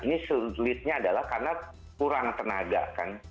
ini sulitnya adalah karena kurang tenaga kan